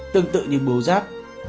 tương tự như bướu giáp